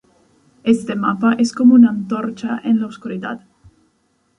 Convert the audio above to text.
Este mapa es como una antorcha en la oscuridad.